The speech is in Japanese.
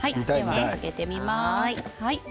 開けてみます。